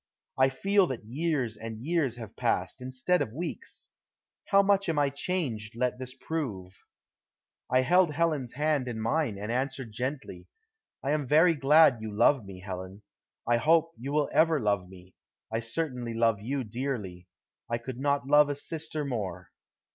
I feel that years and years have passed, instead of weeks. How much I am changed let this prove: I held Helen's hand in mine and answered gently, "I am very glad you love me, Helen. I hope you will ever love me. I certainly love you dearly. I could not love a sister more."